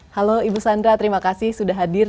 halo ibu sandra terima kasih sudah hadir